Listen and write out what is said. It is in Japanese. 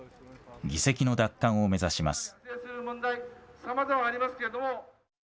議席の奪還を目指します。